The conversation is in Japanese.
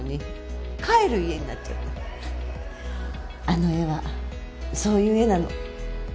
あの絵はそういう絵なの。